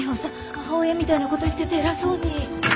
母親みたいなこと言っちゃって偉そうに。